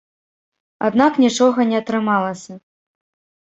Аднак нічога не атрымалася.